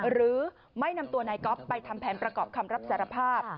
หรือไม่นำตัวนายก๊อฟไปทำแผนประกอบคำรับสารภาพ